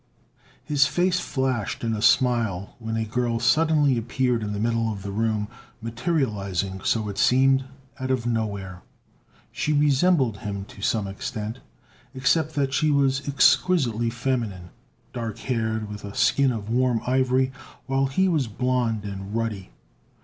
His face flashed in a smile when a girl suddenly appeared in the middle of the room, materializing, so it seemed, out of nowhere. She resembled him to some extent, except that she was exquisitely feminine, dark haired, with a skin of warm ivory, while he was blond and ruddy.